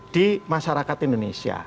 di masyarakat indonesia